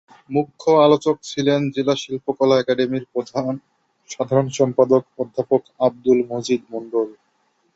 মুখ্য আলোচক ছিলেন জেলা শিল্পকলা একাডেমীর সাধারণ সম্পাদক অধ্যাপক আবদুল মজিদ মণ্ডল।